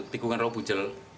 tikungan rauh bujel